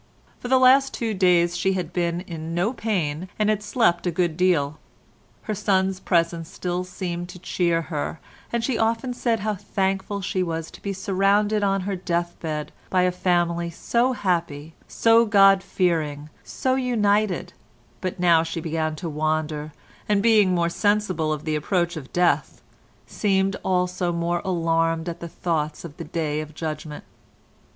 For the last two days she had been in no pain and had slept a good deal; her son's presence still seemed to cheer her, and she often said how thankful she was to be surrounded on her death bed by a family so happy, so God fearing, so united, but now she began to wander, and, being more sensible of the approach of death, seemed also more alarmed at the thoughts of the Day of Judgment.